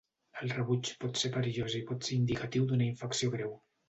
El rebuig pot ser perillós i pot ser indicatiu d'una infecció greu.